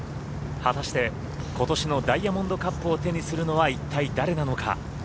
果たして、今年のダイヤモンドカップを手にするのは一体、誰なのか。